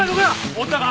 おったか？